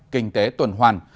kinh tế tuần hoàn